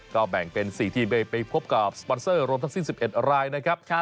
ก็แบ่งเป็น๔ทีมไปพบกับสปอนเซอร์รวมทั้งสิ้น๑๑รายนะครับ